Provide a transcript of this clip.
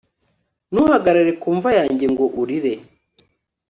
ntuhagarare ku mva yanjye ngo urire